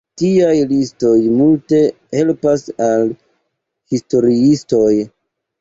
Tiaj listoj multe helpas al historiistoj.